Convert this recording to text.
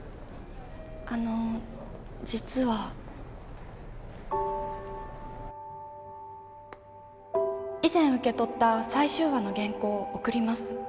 あの実は・以前受け取った最終話の原稿を送ります